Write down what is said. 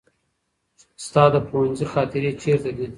ستا د پوهنځي خاطرې چیرته دي؟